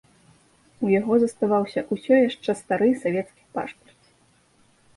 У яго заставаўся ўсё яшчэ стары савецкі пашпарт.